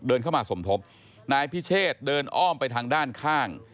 เข้ามาสมทบนายพิเชษเดินอ้อมไปทางด้านข้าง